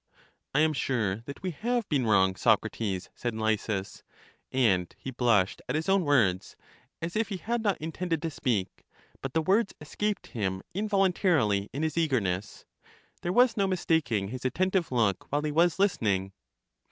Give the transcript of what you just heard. I am sure that we have been wrong, Socrates, said Lysis. And he blushed at his own words, as if he had not intended to speak, but the words escaped him involuntarily in his eagerness; there was no mistak ing his attentive look while he was listening.